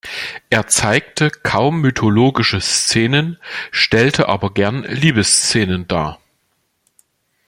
Er zeigte kaum mythologische Szenen, stellte aber gern Liebesszenen dar.